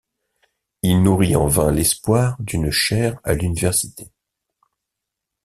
Il nourrit en vain l'espoir d'une chaire à l'université.